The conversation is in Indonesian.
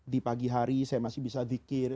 di pagi hari saya masih bisa zikir